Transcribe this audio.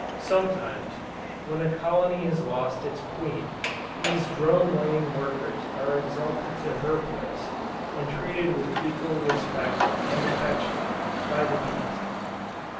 Sometimes, when a colony has lost its Queen, these drone laying workers are exalted to her place, and treated with equal respect and affection, by the bees.